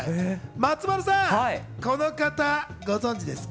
松丸さん、この方ご存じですか？